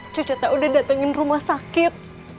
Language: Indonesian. cucu teh udah datengin rumah sakit